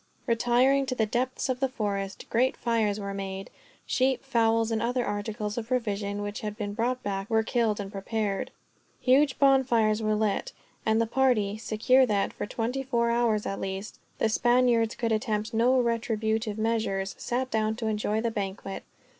Retiring to the depths of the forest, great fires were made. Sheep, fowls, and other articles of provision, which had been brought back, were killed and prepared. Huge bonfires were lit, and the party, secure that, for twenty four hours at least, the Spaniards could attempt no retributive measures, sat down to enjoy the banquet.